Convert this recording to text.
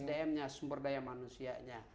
sdm nya sumber daya manusianya